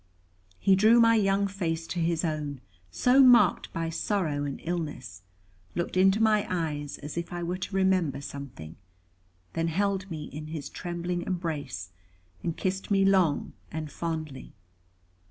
He drew my young face to his own, so marked by sorrow and illness, looked into my eyes as if I were to remember something, then held me in his trembling embrace, and kissed me long and fondly.